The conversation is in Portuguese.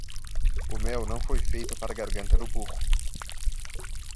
O mel não foi feito para a garganta do burro.